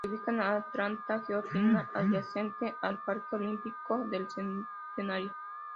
Se ubica en Atlanta, Georgia, adyacente al Parque Olímpico del Centenario.